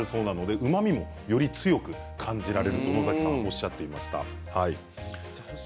うまみもより強く感じられると野崎さんおっしゃっていました。